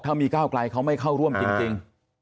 ถ้ามีก้าวไกลเขาไม่เข้าร่วมจริง